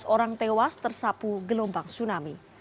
tujuh belas orang tewas tersapu gelombang tsunami